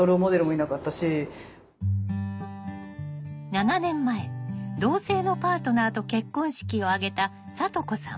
７年前同性のパートナーと結婚式を挙げたさと子さん。